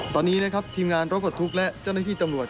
ตอนนี้นะครับทีมงานรถปลดทุกข์และเจ้าหน้าที่ตำรวจ